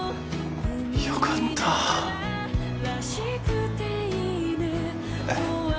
よかったえっ